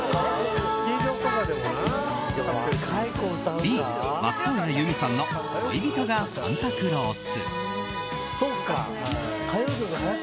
Ｂ、松任谷由実さんの「恋人がサンタクロース」。